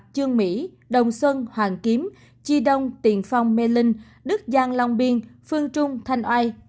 trương mỹ đồng xuân hoàng kiếm chi đông tiền phong mê linh đức giang long biên phương trung thanh oai